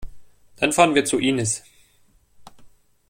Dann fahren wir zu Inis.